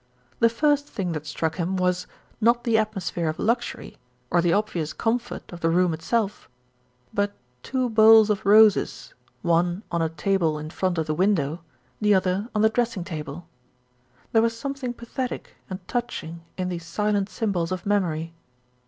The first thing that struck him was, not the atmosphere of luxury, or the obvious comfort of the room itself; but two bowls of roses, one on a table in 40 THE RETURN OF ALFRED front of the window, the other on the dressing table. There was something pathetic and touching in these silent symbols of memory.